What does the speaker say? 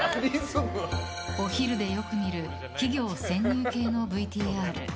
お昼でよく見る企業潜入系のＶＴＲ。